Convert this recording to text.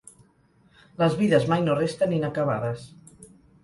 Les vides mai no resten inacabades.